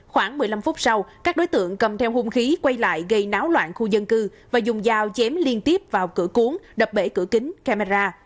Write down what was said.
khoảng một mươi năm phút sau các đối tượng cầm theo hung khí quay lại gây náo loạn khu dân cư và dùng dao chém liên tiếp vào cửa cuốn đập bể cửa kính camera